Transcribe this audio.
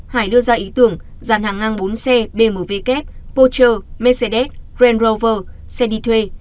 hải đưa ra ý tưởng giàn hàng ngang bốn xe bmw kép porsche mercedes grand rover xe đi thuê